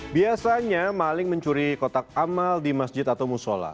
biasanya maling mencuri kotak amal di masjid atau musola